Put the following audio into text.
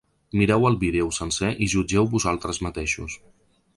Mireu el vídeo sencer i jutgeu vosaltres mateixos.